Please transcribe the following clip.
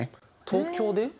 東京で？